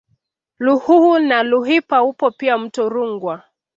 Ruhuhu na Ruipa upo pia mto Rungwa